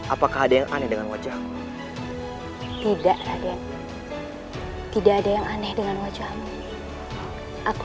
apakah ada yang aneh dengan wajahmu tidak ada tidak ada yang aneh dengan wajahmu aku